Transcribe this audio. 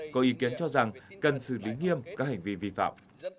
có ý kiến cho rằng cần xử lý nghiêm các hành vi vi phạm